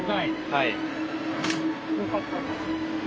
はい。